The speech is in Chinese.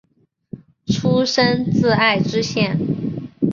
出身自爱知县。